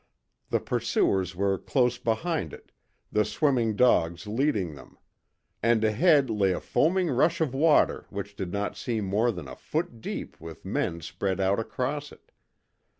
The pursuers were close behind it, the swimming dogs leading them; and ahead lay a foaming rush of water which did not seem more than a foot deep with men spread out across it.